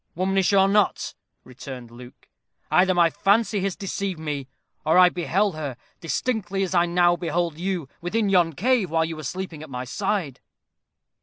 "Womanish or not," returned Luke; "either my fancy has deceived me, or I beheld her, distinctly as I now behold you, within yon cave, while you were sleeping by my side."